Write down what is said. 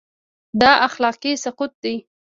دا اخلاقي سقوط دی.